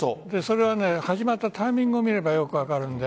始まったタイミングを見ればよく分かる。